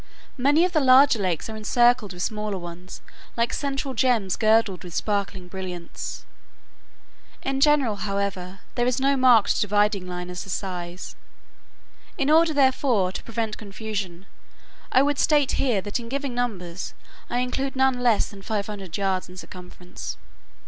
Many of the larger lakes are encircled with smaller ones like central gems girdled with sparkling brilliants. In general, however, there is no marked dividing line as to size. In order, therefore, to prevent confusion, I would state here that in giving numbers, I include none less than 500 yards in circumference.